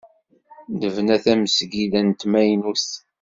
Nebna tamezgida d tamaynut.